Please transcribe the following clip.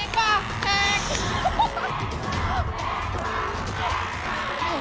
แพงหรอแพง